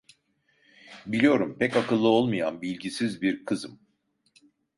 Biliyorum: Pek akıllı olmayan bilgisiz bir kızım…